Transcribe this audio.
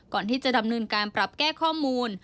ก่อนที่จะดำเนินการปรับแก้ข้อมูล